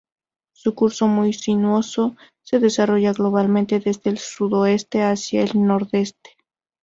Su curso, muy sinuoso, se desarrolla globalmente desde el sudoeste hacia el nordeste.